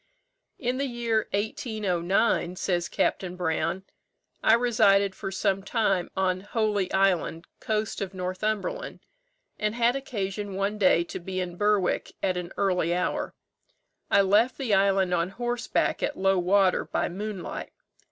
"In the year 1809," says Capt. Brown, "I resided for some time on Holy Island, coast of Northumberland, and had occasion one day to be in Berwick at an early hour. I left the island on horseback at low water, by moonlight.